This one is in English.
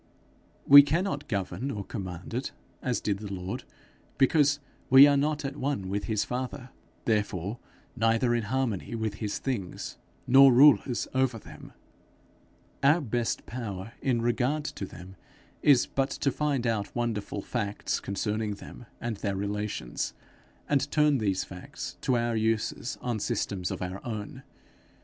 We cannot govern or command in it as did the Lord, because we are not at one with his father, therefore neither in harmony with his things, nor rulers over them. Our best power in regard to them is but to find out wonderful facts concerning them and their relations, and turn these facts to our uses on systems of our own.